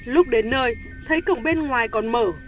lúc đến nơi thấy cổng bên ngoài còn mở